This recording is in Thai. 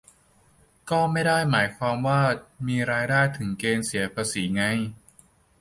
ก็ไม่ได้หมายความว่ามีรายได้ถึงเกณฑ์เสียภาษีไง